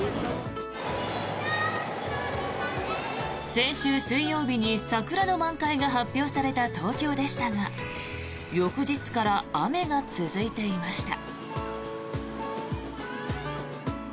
先週水曜日に桜の満開が発表された東京でしたが翌日から雨が続いていました。